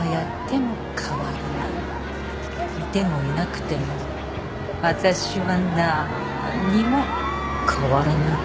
いてもいなくても私はなーんにも変わらない。